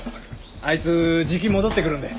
あいつじき戻ってくるんで。